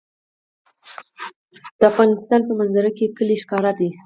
د افغانستان په منظره کې کلي ښکاره ده.